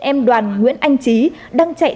em đoàn nguyễn anh trí đang chạy